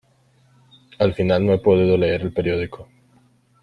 Al final no he podido leer el periódico.